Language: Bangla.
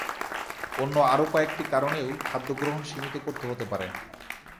অন্য আরও কয়েকটি কারণেও খাদ্যগ্রহণ সীমিত করতে হতে পারে।